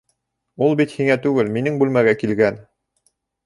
Ул бит һиңә түгел, минең бүлмәгә килгән.